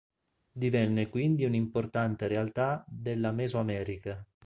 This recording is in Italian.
Divenne quindi un'importante realtà della Mesoamerica.